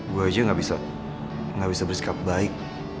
gue aja gak bisa gak bisa berisikap baik